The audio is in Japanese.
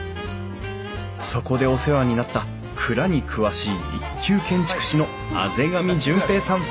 そこでお世話になった蔵に詳しい一級建築士の畔上順平さん